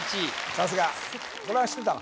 さすがこれは知ってたの？